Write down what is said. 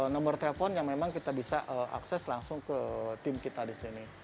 nomor telepon yang memang kita bisa akses langsung ke tim kita di sini